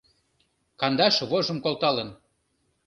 Кандаш вожым колталын.